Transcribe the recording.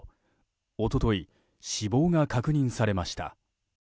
一昨日、死亡が確認されました。